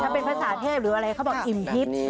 ถ้าเป็นภาษาเทพหรืออะไรเขาบอกอิ่มทิพย์